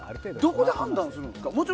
どこで判断するんですか？